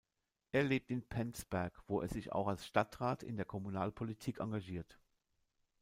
Er lebt in Penzberg, wo er sich auch als Stadtrat in der Kommunalpolitik engagiert.